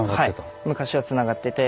昔はつながってた。